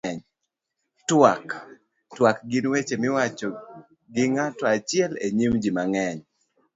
twak. twak gin weche miwacho gi ng'ato achiel e nyim ji mang'eny